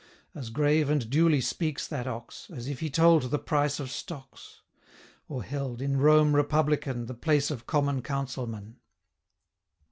150 As grave and duly speaks that ox, As if he told the price of stocks; Or held, in Rome republican, The place of Common councilman.